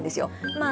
まあ